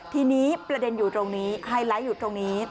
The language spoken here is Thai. ทีนี้ประเด็นอยู่ตรงนี้